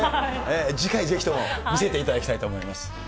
次回ぜひとも見せていただきたいと思います。